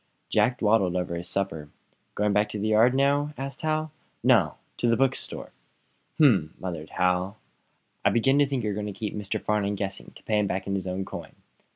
Jack dawdled over his supper. "Going back to the yard now?" asked Hal. "No; to the bookstore." "Hm!" muttered Hal. "I begin to think you're going to keep Mr. Farnum guessing, to pay him back in his own coin."